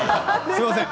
すみません